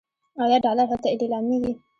آیا ډالر هلته لیلامیږي؟